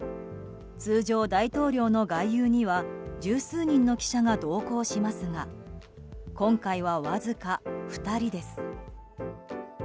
通常、大統領の外遊には十数人の記者が同行しますが今回はわずか２人です。